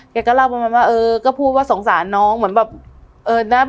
แกก็เล่าเหมือนกันว่าเออก็พูดว่าสงสารน้องเหมือนแบบ